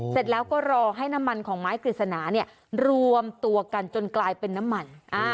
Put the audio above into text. เสร็จแล้วก็รอให้น้ำมันของไม้กฤษณารวมตัวกันจนกลายเป็นน้ำมัน